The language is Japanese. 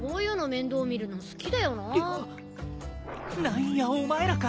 何やお前らか。